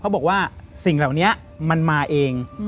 บอกว่าสิ่งเหล่านี้มันมาเอง